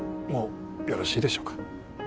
もうよろしいでしょうか？